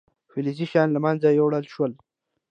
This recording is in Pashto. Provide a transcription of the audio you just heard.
فلزي شیان له منځه یوړل شول.